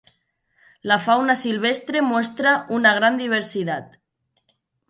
La fauna silvestre muestra una gran diversidad.